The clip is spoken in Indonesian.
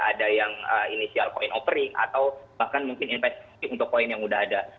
ada yang initial coin offering atau bahkan mungkin investasi untuk coin yang sudah ada